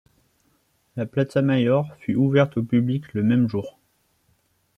La plaza Mayor fut ouverte au public le même jour.